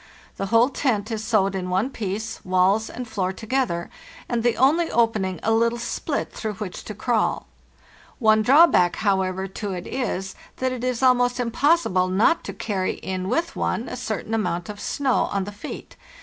The whole tent is sewed in one piece, walls and floor together, and the only opening a little split through which to crawl. One drawback, however, to it is, that it is almost impossible not to carry in with one a certain amount of snow on the feet.